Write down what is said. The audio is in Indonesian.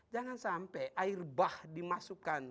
jangan sampai air bah dimasukkan